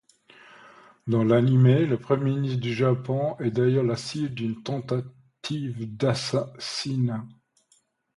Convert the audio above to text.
Dans l'animé, le premier ministre du Japon est d'ailleurs la cible d'une tentative d'assassinat.